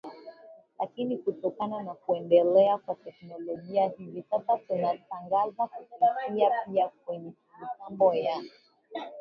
lakini kutokana na kuendelea kwa teknolojia hivi sasa tunatangaza kupitia pia kwenye mitambo ya